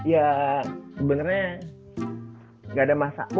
ya sebenarnya gak ada masalah